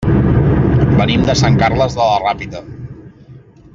Venim de Sant Carles de la Ràpita.